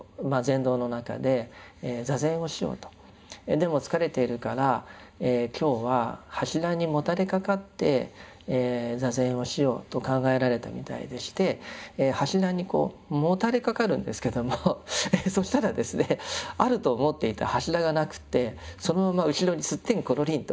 でも疲れているから今日は柱にもたれかかって坐禅をしようと考えられたみたいでして柱にこうもたれかかるんですけどもそしたらですねあると思っていた柱がなくてそのまま後ろにすってんころりんと